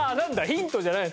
ヒントじゃない。